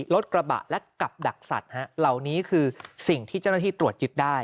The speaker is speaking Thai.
รถกระบะและกับดักสัตว์เหล่านี้คือสิ่งที่เจ้าหน้าที่ตรวจยึดได้